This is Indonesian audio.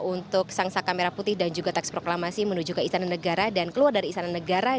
untuk sang saka merah putih dan juga teks proklamasi menuju ke istana negara dan keluar dari istana negara